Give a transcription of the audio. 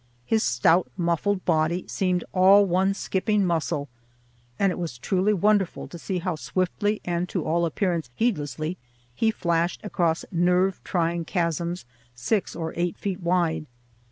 His stout, muffled body seemed all one skipping muscle, and it was truly wonderful to see how swiftly and to all appearance heedlessly he flashed across nerve trying chasms six or eight feet wide.